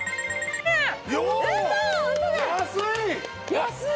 安い！